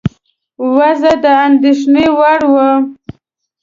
وضع د اندېښنې وړ وه.